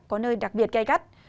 có nơi đặc biệt cay cắt